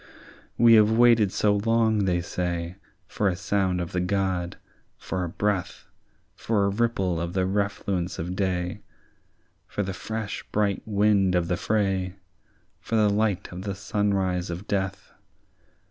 "We have waited so long," they say, "For a sound of the God, for a breath, For a ripple of the refluence of day, For the fresh bright wind of the fray, For the light of the sunrise of death.